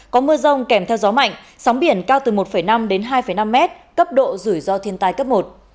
có mưa rông kèm theo gió mạnh sóng biển cao từ một năm đến hai năm mét cấp độ rủi ro thiên tai cấp một